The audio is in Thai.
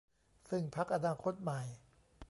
ซึ่งพรรคอนาคตใหม่